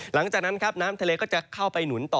หลังจากนั้นครับน้ำทะเลก็จะเข้าไปหนุนต่อ